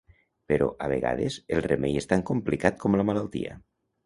Però, a vegades, el remei és tan complicat com la malaltia.